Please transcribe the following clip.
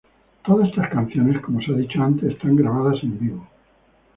Todas estas canciones, como se ha dicho antes, están grabadas en vivo.